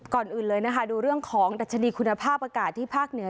ก่อนอื่นเลยนะคะดูเรื่องของดัชนีคุณภาพอากาศที่ภาคเหนือ